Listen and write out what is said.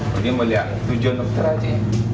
begini melihat tujuh nukter aja